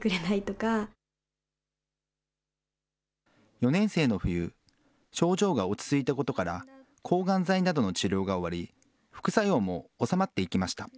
４年生の冬、症状が落ち着いたことから、抗がん剤などの治療が終わり、副作用も収まっていきました。